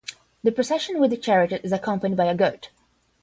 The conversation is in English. The procession with the chariot is accompanied by a goat.